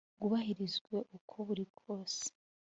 bwubahirizwe uko buri kose